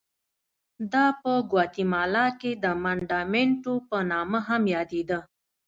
دا په ګواتیمالا کې د منډامینټو په نامه هم یادېده.